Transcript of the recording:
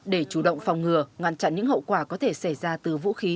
để chủ động phòng ngừa ngoạn trận những hậu quả có thể xảy ra từ vũ khí